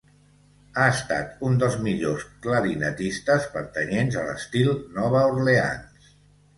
Ha estat un dels millors clarinetistes pertanyents a l'estil Nova Orleans.